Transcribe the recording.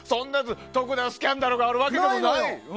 特段スキャンダルがあるわけでもない。